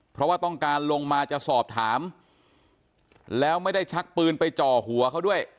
เพราะว่าต้องการลงมาจะสอบถามแล้วไม่ได้ชักปืนไปจ่อหัวเขาด้วย